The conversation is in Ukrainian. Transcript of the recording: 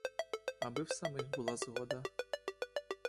Аби в самих була згода.